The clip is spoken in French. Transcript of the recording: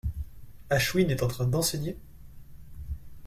Ashwin est en train d’enseigner ?